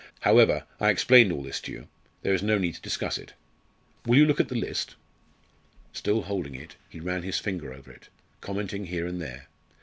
However, I explained all this to you there is no need to discuss it. Will you look at the list?" Still holding it, he ran his finger over it, commenting here and there.